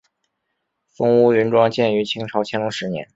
松坞云庄建于清朝乾隆十年。